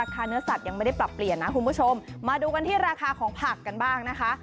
คุณผู้ชมมาดูกันที่ราคาของผักกันบ้างนะคะ